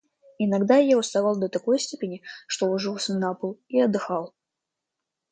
Иногда я уставал до такой степени, что ложился на пол и отдыхал.